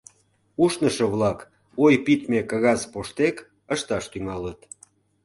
Ушнышо-влак ой пидме кагаз поштек ышташ тӱҥалыт.